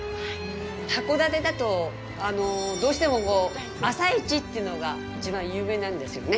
函館だと、どうしても朝市というのが一番有名なんですよね。